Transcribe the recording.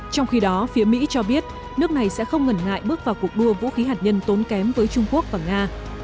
trong khi đó phía mỹ cho biết nước này sẽ không ngần ngại bước vào cuộc đua vũ khí hạt nhân tốn kém với trung quốc và nga